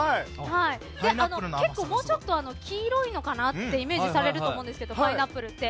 結構、もうちょっと黄色いのかなってイメージされると思うんですけどパイナップルって。